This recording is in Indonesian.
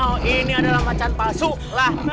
oh ini adalah macan palsu lah